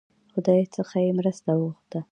خدای څخه یې مرسته وغوښته.